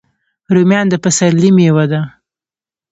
رومیان د پسرلي میوه ده